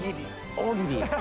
大喜利！